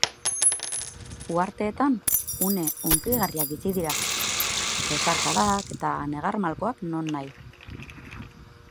Uharteetan une hunkigarriak bizi dira, besarkadak eta negar malkoak nonahi.